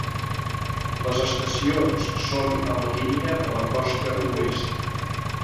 Les estacions son a la línia de la costa oest.